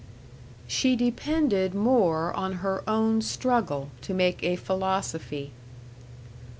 She depended more on her own struggle to make a philosophy.